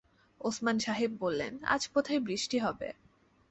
ওসমান সাহেব বললেন, আজ বোধহয় বৃষ্টি হবে।